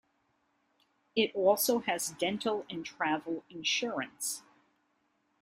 It also has Dental and Travel insurance.